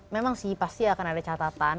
memang sih pasti akan ada catatan